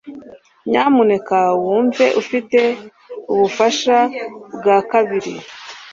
Nyamuneka wumve ufite ubufasha bwa kabiri.